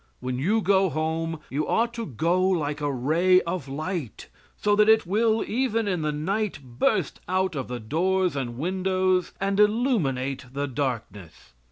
When you go home you ought to go like a ray of light so that it will, even in the night, burst out of the doors and windows and illuminate the darkness.